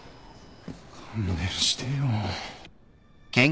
勘弁してよ。